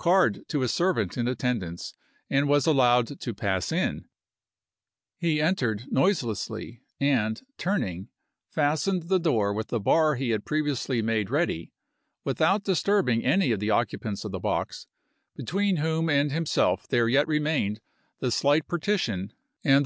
card to a servant in attendance and was allowed to pass in. He entered noiselessly, and, turning, fastened the door with the bar he had previously made ready, without disturbing any of the occu pants of the box, between whom and himself there yet remained the slight partition and the door DOOR to PASSAGE DIAGRAM OF THE BOX IN FORD'S THEATER.